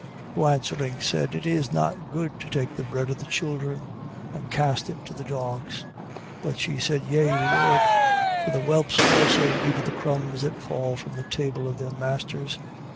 15:26. Who answering, said: It is not good to take the bread of the children, and to cast it to the dogs. 15:27. But she said: Yea, Lord; for the whelps also eat of the crumbs that fall from the table of their masters.